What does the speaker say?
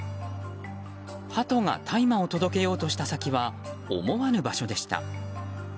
ハトが大麻を届けようとした先は思わぬ場所でした。